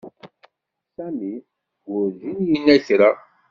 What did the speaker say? Sami werǧin yenna kra.